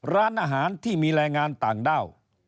ร้านอาหารที่มีแรงงานต่างด้าว